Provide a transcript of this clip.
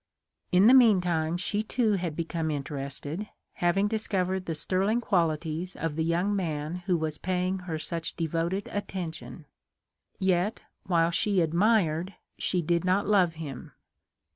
In the meantime she too had become interested, having discovered the sterling qualities of the young man who was paying her such devoted attention ; yet while she admired she did not love him.